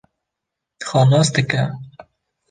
xwe nas dike